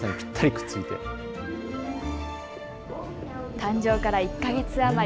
誕生から１か月余り。